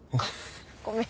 ごめん。